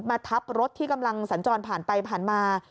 ทับรถที่กำลังสัญจรผ่านไปผ่านมา